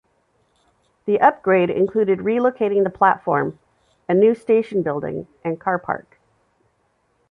The upgrade included relocating the platform, a new station building and car park.